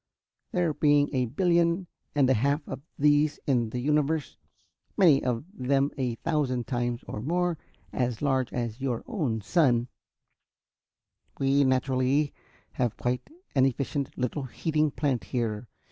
There being a billion and a half of these in the universe, many of them a thousand times or more as large as your own sun, we naturally have quite an efficient little heating plant here.